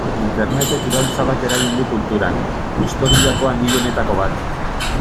Internetek iraultza bat eragin du kulturan, historiako handienetako bat.